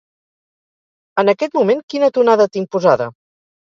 En aquest moment quina tonada tinc posada?